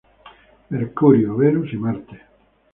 Mercurio, Venus y Marte.